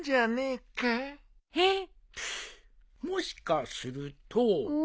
もしかすると。